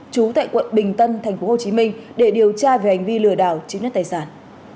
trú tại quận bình tân tp hcm để điều tra về hành vi lừa đảo chiếc nét tài sản